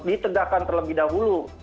ditegakkan terlebih dahulu